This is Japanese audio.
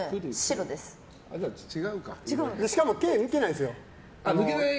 しかも毛抜けないです。